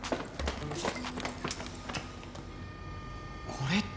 これって。